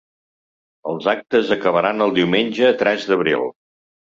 Els actes acabaran el diumenge tres d’abril.